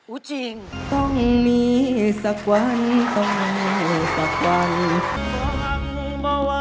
อุ้ยจริง